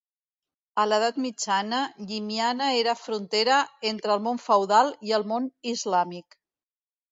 A l'edat mitjana, Llimiana era frontera entre el món feudal i el món islàmic.